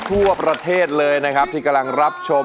ทั่วประเทศเลยนะครับที่กำลังรับชม